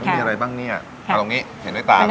มีอะไรบ้างเนี่ยถ้าตรงนี้เห็นได้ต่างว่า